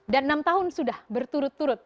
dan enam tahun sudah bertugas